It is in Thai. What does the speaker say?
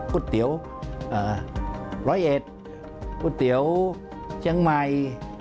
กูเตี๋ยวรอยเอสกูเตี๋ยวเชียงใหม่